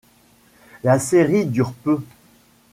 La série dure peu.